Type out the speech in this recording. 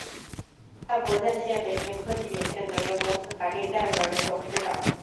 派博在线（北京）科技有限责任公司法定代表人、董事长